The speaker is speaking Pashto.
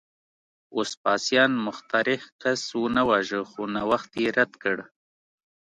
وسپاسیان مخترع کس ونه واژه، خو نوښت یې رد کړ